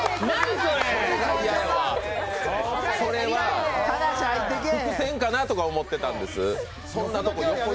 それは伏線かなって思ってたんです。